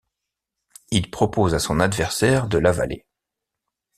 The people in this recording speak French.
Il propose à son adversaire de l'avaler.